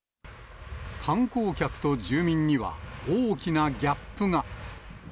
観光客と住民には、大きなギャップが。